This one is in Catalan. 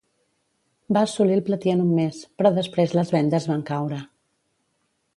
Va assolir el platí en un mes, però després les vendes van caure.